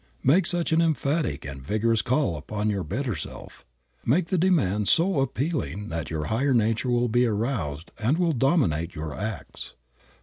Make such an emphatic and vigorous call upon your better self, make the demand so appealing that your higher nature will be aroused and will dominate your acts.